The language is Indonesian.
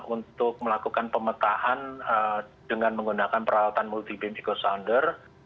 untuk melakukan pemetaan dengan menggunakan peralatan multi beam echo sounder